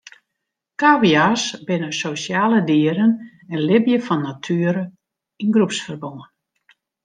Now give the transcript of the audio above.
Kavia's binne sosjale dieren en libje fan natuere yn groepsferbân.